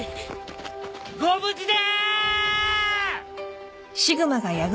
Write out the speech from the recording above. ご無事で！